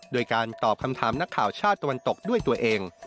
โดยการตอบคำถามนักข่าวชาติตะวันตกด้วยตัวเอง